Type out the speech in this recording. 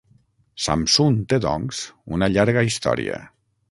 Samsun té doncs una llarga història.